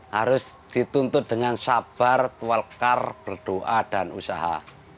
harus dituntut dengan sabar tualkar berdoa dan usaha